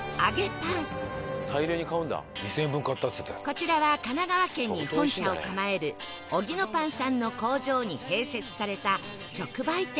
こちらは神奈川県に本社を構えるオギノパンさんの工場に併設された直売店